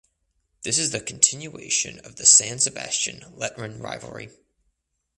This is the continuation of the San Sebastian–Letran rivalry.